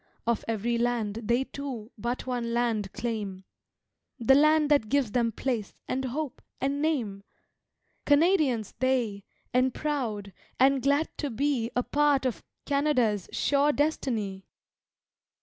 Of every land, they too, but one land claim The land that gives them place and hope and name Canadians, they, and proud and glad to be A part of Canada's sure destiny!